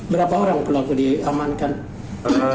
berapa orang pelaku diamankan